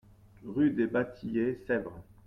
Rue des Bas Tillets, Sèvres